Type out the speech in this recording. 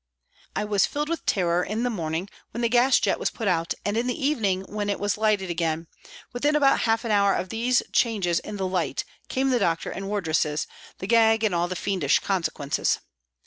I was filled with terror in the morning when the gas jet was put out and in the evening when it was lighted again ; within about half an hour of these changes in the light came the doctor and wardresses, the gag and all the fiendish consequences.